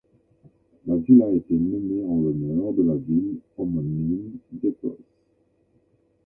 La ville a été nommée en l'honneur de la ville homonyme d'Écosse.